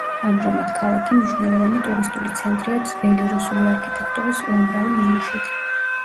ამჟამად ქალაქი მნიშვნელოვანი ტურისტული ცენტრია ძველი რუსული არქიტექტურის უამრავი ნიმუშით.